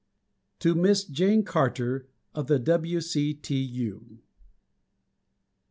To Miss Jane Carter _Of the W.C.T.U.